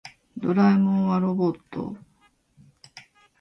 ドラえもんはロボット。